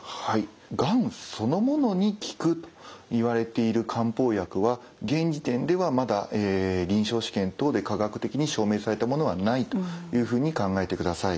がんそのものに効くといわれている漢方薬は現時点ではまだ臨床試験等で科学的に証明されたものはないというふうに考えてください。